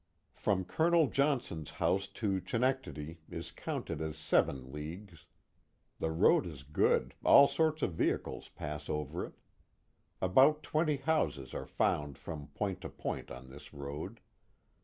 From Colonel Johnson's house to Chenectadi is counted as seven leagues. The road is good, all sorts of vehicles pass over it. About twenty houses are found from point to point on this road.